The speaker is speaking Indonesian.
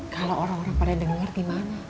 kalo orang orang pada denger gimana